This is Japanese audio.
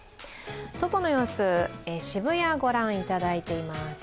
外の様子、渋谷、御覧いただいています。